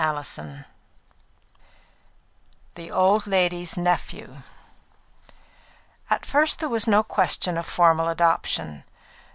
CHAPTER II The Old Lady's Nephew At first there was no question of formal adoption.